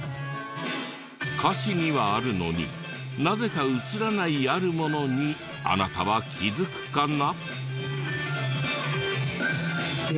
歌詞にはあるのになぜか映らないあるものにあなたは気づくかな？